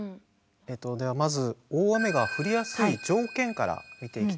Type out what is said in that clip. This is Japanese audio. ではまず大雨が降りやすい条件から見ていきたいと思います。